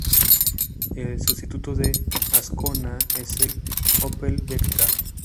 El sustituto del Ascona es el Opel Vectra.